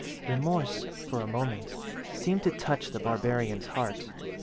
"Remorse, for a moment, seemed to touch the barbarian's heart.